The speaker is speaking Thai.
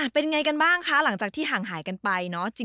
เป็นไงกันบ้างคะหลังจากที่ห่างหายกันไปเนอะ